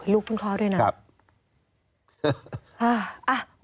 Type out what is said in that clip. ลูกคว้าด้วยนะเฮ้อ